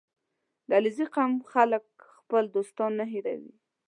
• د علیزي قوم خلک خپل دوستان نه هېروي.